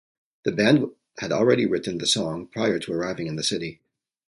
The band had already written the song prior to arriving in the city.